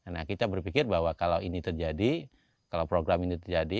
nah kita berpikir bahwa kalau ini terjadi kalau program ini terjadi